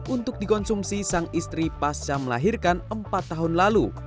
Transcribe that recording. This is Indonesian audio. untuk dikonsumsi sang istri pasca melahirkan empat tahun lalu